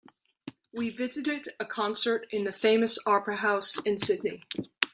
We visited a concert in the famous opera house in Sydney.